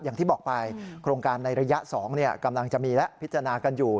อย่างที่บอกไปโครงการในระยะ๒กำลังจะมีและพิจารณากันอยู่